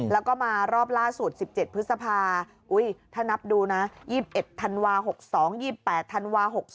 แล้วก็มารอบล่าสุด๑๗พฤษภาถ้านับดูนะ๒๑ธันวา๖๒๒๘ธันวา๖๒